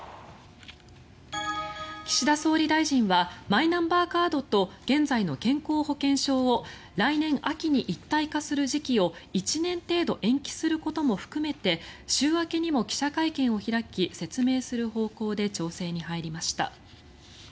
岸田総理大臣はマイナンバーカードと現在の健康保険証を来年秋に一体化する時期を１年程度延期することも含めて週明けにも記者会見を開き説明する方向で調整に入りました。